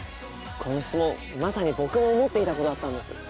この質問まさに僕も思っていたことだったんです。